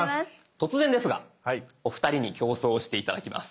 突然ですがお二人に競争をして頂きます。